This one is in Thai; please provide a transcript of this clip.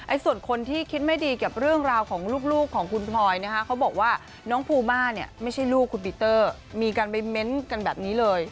ส่วนคนที่คิดไม่ดีกับเรื่องราวของลูกของคุณพลอยนะคะเขาบอกว่าน้องภูมาเนี่ยไม่ใช่ลูกคุณปีเตอร์มีการไปเม้นต์กันแบบนี้เลย